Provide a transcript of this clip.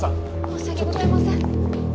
申し訳ございません。